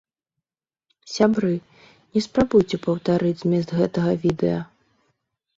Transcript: Сябры, не спрабуйце паўтарыць змест гэтага відэа.